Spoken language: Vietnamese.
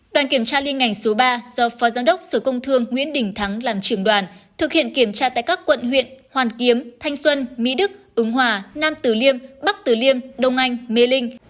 đoàn kiểm tra liên ngành số ba do phó giám đốc sở công thương nguyễn đình thắng làm trường đoàn thực hiện kiểm tra tại các quận huyện hoàn kiếm thanh xuân mỹ đức ứng hòa nam tử liêm bắc tử liêm đông anh mê linh